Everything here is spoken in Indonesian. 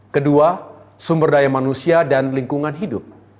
kedua sumber daya manusia dan lingkungan hidup